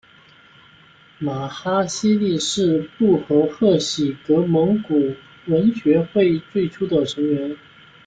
玛哈希力是布和贺喜格蒙古文学会最初的成员。